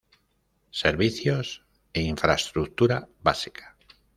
Servicios e infraestructura básica.